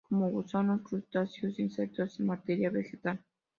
Come gusanos, crustáceos, insectos y materia vegetal.